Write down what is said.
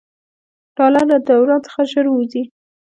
ډالر له دوران څخه ژر ووځي.